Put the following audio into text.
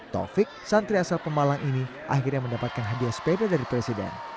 taufik santri asal pemalang ini akhirnya mendapatkan hadiah sepeda dari presiden